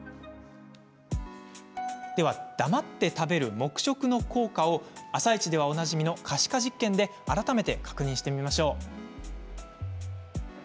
では、黙って食べる黙食の効果を「あさイチ」ではおなじみの可視化実験で改めて確認してみましょう。